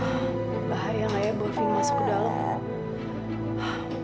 aduh bahaya nggak ya bawa vin masuk ke dalam